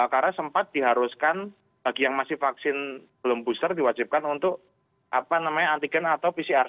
karena sempat diharuskan bagi yang masih vaksin belum booster diwajibkan untuk anti can atau pcr